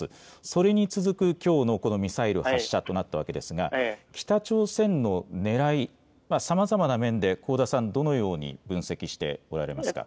それに続くきょうのこのミサイル発射となったわけですが、北朝鮮のねらい、さまざまな面で香田さん、どのように分析しておられますか。